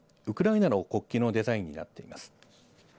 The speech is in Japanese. ウクライナの国旗のデザインになっています。